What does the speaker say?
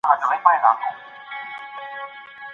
نقاش د زرو همیانۍ له ملا نه وتړله